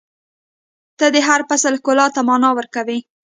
• ته د هر فصل ښکلا ته معنا ورکوې.